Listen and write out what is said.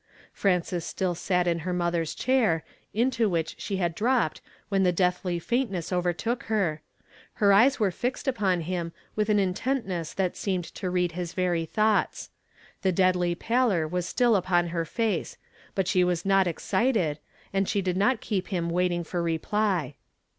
Frances still sat in her mother's chair, into which she had dropped when the deathly faintiiess overtook her. Her eyes were fixed upon him with an intentness that seemed to read his very thoughts. The deadly pallor was still upon her face ; but she was not ex cited, and she did not keep him waiting for r('[)ly.